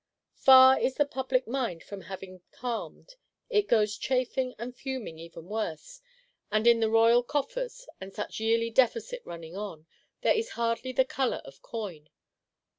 Far is the public mind from having calmed; it goes chafing and fuming ever worse: and in the royal coffers, with such yearly Deficit running on, there is hardly the colour of coin.